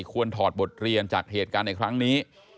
ถอดบทเรียนจากเหตุการณ์ในครั้งนี้